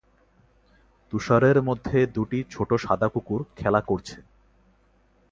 তুষারের মধ্যে দুটি ছোট সাদা কুকুর খেলা করছে।